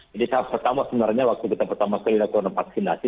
jadi tahap pertama sebenarnya waktu kita pertama kali lakukan vaksinasi